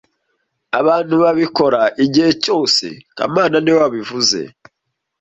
Abantu babikora igihe cyose kamana niwe wabivuze